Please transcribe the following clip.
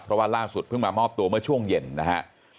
เพราะว่าล่าสุดเพิ่งมามอบตัวเมื่อช่วงเย็นนะฮะ